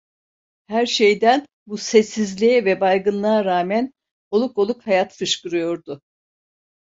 Her şeyden, bu sessizliğe ve baygınlığa rağmen, oluk oluk hayat fışkırıyordu.